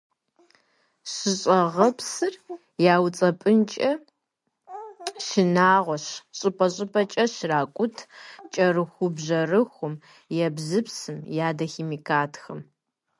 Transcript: ЩӀыщӀагъыпсхэр яуцӀэпӀынкӀэ шынагъуэщ щӀыпӀэ -щӀыпӀэкӀэ щракӀут кӀэрыхубжьэрыхум, ебзыпсым, ядохимикатхэм.